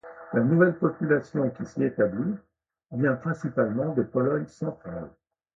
La nouvelle population qui s'y est établie vient principalement de Pologne centrale.